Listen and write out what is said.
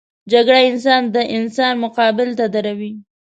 جګړه انسان د انسان مقابل ته دروي